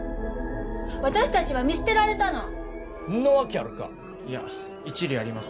私達は見捨てられたのんなわけあるかいや一理あります